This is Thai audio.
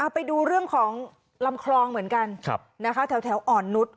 ไปดูเรื่องของลำคลองเหมือนกันแถวอ่อนนุษย์